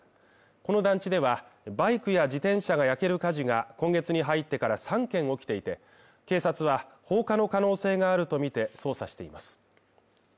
この団地では、バイクや自転車が焼ける火事が、今月に入ってから３件起きていて警察は放火の可能性があるとみて捜査しています。